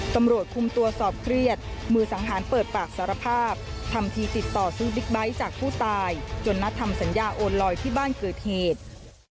ตำรวจคุมตัวสอบเครียดมือสังหารเปิดปากสารภาพทำทีติดต่อซื้อบิ๊กไบท์จากผู้ตายจนนัดทำสัญญาโอนลอยที่บ้านเกิดเหตุ